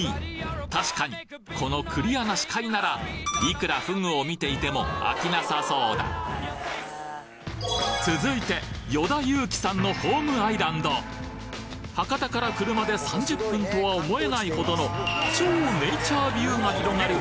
たしかにこのクリアな視界ならいくらフグを見ていても飽きなさそうだ続いて与田祐希さんのホームアイランド博多から車で３０分とは思えないほどのチョネイチャービューが広がる